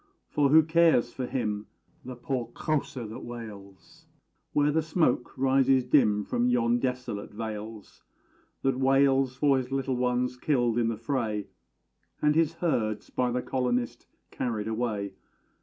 For who cares for him, the poor Kósa, that wails Where the smoke rises dim from yon desolate vales That wails for his little ones killed in the fray, And his herds by the colonist carried away?